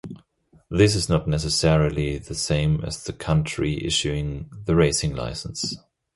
This is not necessarily the same as the country issuing the racing licence.